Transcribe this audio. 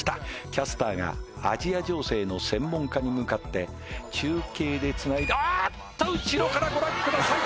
キャスターがアジア情勢の専門家に向かって中継でつないであっと後ろからご覧ください